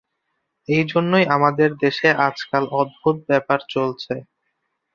এইজন্যেই আমাদের দেশে আজকাল অদ্ভুত ব্যাপার চলছে।